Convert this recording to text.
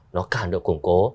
nó càng được củng cố